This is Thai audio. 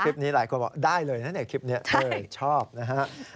คลิปนี้หลายคนบอกได้เลยนะในคลิปนี้เธอชอบนะฮะ